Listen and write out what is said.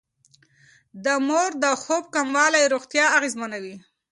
د مور د خوب کموالی روغتيا اغېزمنوي.